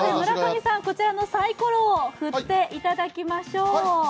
村上さん、こちらのさいころを振っていただきましょう。